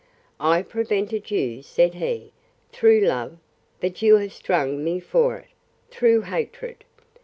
I prevented you, said he, through love; but you have strung me for it, through hatred.